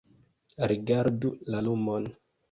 Rigardu la lumon